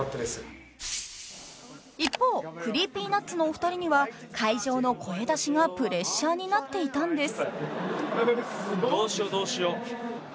［一方ＣｒｅｅｐｙＮｕｔｓのお二人には会場の声出しがプレッシャーになっていたんです］